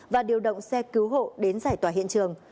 và điều động xe cứu hộ đến giải tỏa hiện trường